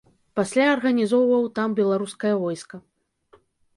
Пасля арганізоўваў там беларускае войска.